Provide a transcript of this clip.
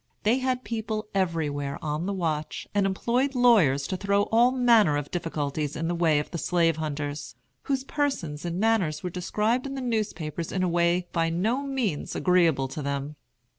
They had people everywhere on the watch, and employed lawyers to throw all manner of difficulties in the way of the slave hunters, whose persons and manners were described in the newspapers in a way by no means agreeable to them.